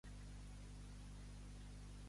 Tenia la seu a Agaro.